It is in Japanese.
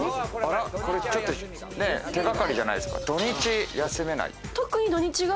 これ手掛かりじゃないですか？